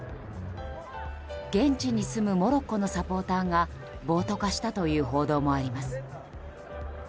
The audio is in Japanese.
現地に住むモロッコのサポーターが暴徒化したという報道もあります。